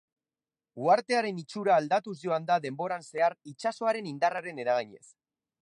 Uhartearen itxura aldatuz joan da denboran zehar itsasoaren indarraren eraginez.